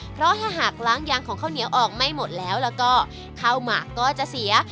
เพราะถ้าหากล้างยางของข้าวเหนียวออกไม่หมดแล้วแล้วก็ข้าวหมากก็จะเสีย